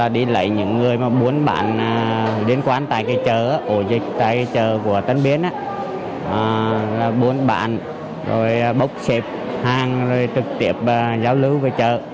đến quán tại cái chợ ổ dịch tại chợ của tân biên là bốn bạn rồi bốc xếp hàng rồi trực tiếp giáo lưu về chợ